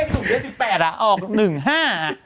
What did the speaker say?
คนไปซื้อเลขสูงเลขสูง๘อ่ะออก๑๕